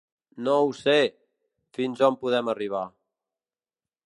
No ho sé, fins on poden arribar.